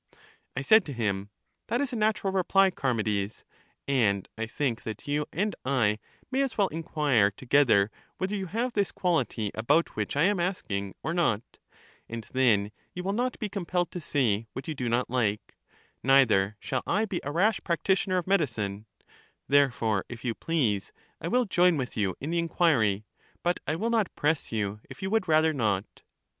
I said to him: That is a natural reply, Charmides, and I think that you and I may as well inquire to gether whether you have this quality about which I am asking or not; and then you will not be compelled to say what you do not like ; neither shall I be a rash practitioner of medicine: therefore, if you please, I will join with you in the inquiry, but I will not press you if you w^ould rather not.